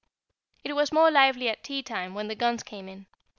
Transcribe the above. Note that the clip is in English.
It was more lively at tea time, when the guns came in.